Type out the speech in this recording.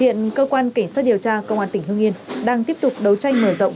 hiện cơ quan cảnh sát điều tra công an tỉnh hương yên đang tiếp tục đấu tranh mở rộng